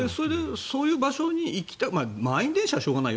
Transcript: そういう場所に満員電車はしょうがないよ。